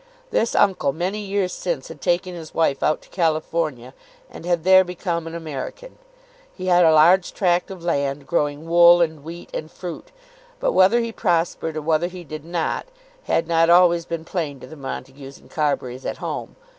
This uncle many years since had taken his wife out to California, and had there become an American. He had a large tract of land, growing wool, and wheat, and fruit; but whether he prospered or whether he did not, had not always been plain to the Montagues and Carburys at home.